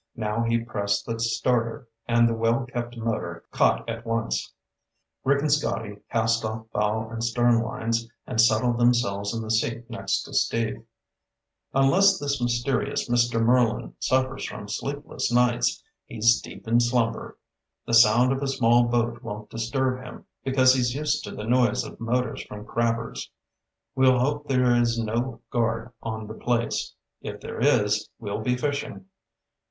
Now he pressed the starter and the well kept motor caught at once. Rick and Scotty cast off bow and stern lines and settled themselves in the seat next to Steve. "Unless this mysterious Mr. Merlin suffers from sleepless nights, he's deep in slumber. The sound of a small boat won't disturb him, because he's used to the noise of motors from crabbers. We'll hope there is no guard on the place. If there is, we'll be fishing.